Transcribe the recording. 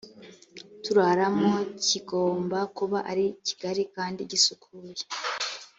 turaramo kigomba kuba ari kigari kandi gisukuye